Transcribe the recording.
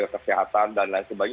kesehatan dan lain sebagainya